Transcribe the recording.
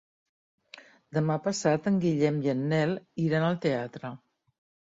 Demà passat en Guillem i en Nel iran al teatre.